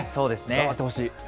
頑張ってほしい。